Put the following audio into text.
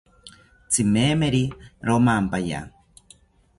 Tzimemeri romampaya